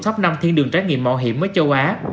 top năm thiên đường trải nghiệm mạo hiểm ở châu á